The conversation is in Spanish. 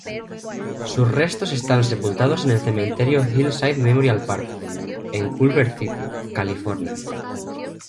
Sus restos están sepultados en el Cementerio Hillside Memorial Park, en Culver City, California.